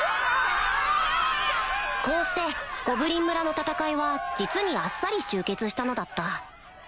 こうしてゴブリン村の戦いは実にあっさり終結したのだった